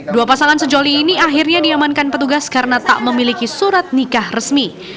dua pasangan sejoli ini akhirnya diamankan petugas karena tak memiliki surat nikah resmi